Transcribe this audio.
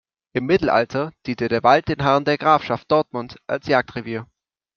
Im Mittelalter diente der Wald den Herren der Grafschaft Dortmund als Jagdrevier.